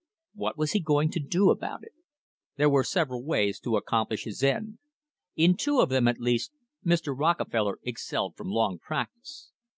What was he going to do about it? There were several ways to accomplish his end; in two of them, at least, Mr. Rockefeller excelled from long practice.